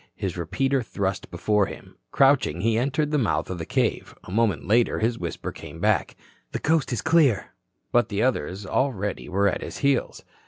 His repeater thrust before him, crouching, he entered the mouth of the cave. A moment later his whisper came back: "Coast's clear." But the others already were at his heels.